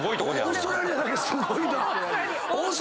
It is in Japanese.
オーストラリアだけすごいなぁ。